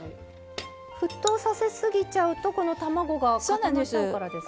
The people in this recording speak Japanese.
沸騰させすぎちゃうとこの卵が固まっちゃうからですか？